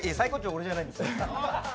俺じゃないんですよ。